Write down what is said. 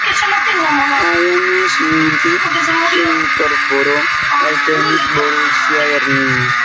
Al año siguiente, se incorporó al Tennis Borussia Berlin.